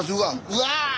うわ！